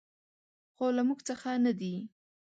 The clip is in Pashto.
خو له موږ څخه نه دي .